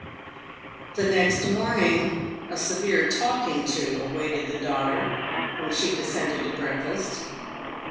The next morning a severe "talking to" awaited the daughter when she descended to breakfast.